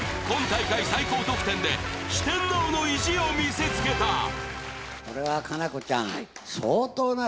今大会最高得点で四天王の意地を見せつけたこれは可奈子ちゃん。